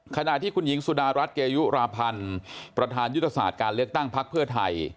ขณะที่คุณหญิงสุดารัฐเกยุราพันธ์ประธานยุทธศาสตร์การเลือกตั้งพักเพื่อไทย